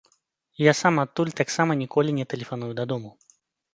І я сам адтуль таксама ніколі не тэлефаную дадому.